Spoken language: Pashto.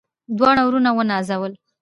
دواړه وروڼه ونازول.